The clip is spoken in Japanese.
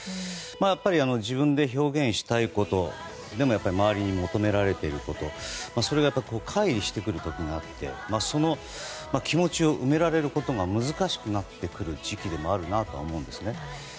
やっぱり自分で表現したいことでも周りに求められることそれを乖離してくる時があってその気持ちを埋められることが難しくなってくる時期でもあるなとは思うんですね。